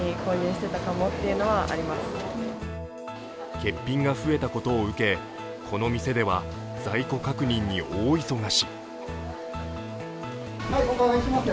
欠品が増えたことを受けこの店では在庫確認に大忙し。